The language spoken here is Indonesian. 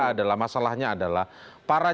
adalah masalahnya adalah para